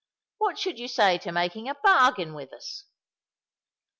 What should you say to making a bargain with us?"